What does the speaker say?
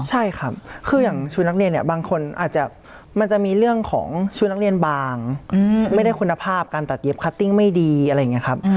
ใช่ครับคืออย่างชุดนักเรียนเนี่ยบางคนอาจจะมันจะมีเรื่องของชุดนักเรียนบางไม่ได้คุณภาพการตัดเย็บคัตติ้งไม่ดีอะไรอย่างนี้ครับ